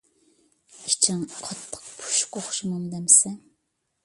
ئىچىڭ قاتتىق پۇشۇق ئوخشىمامدۇ ئەمىسە.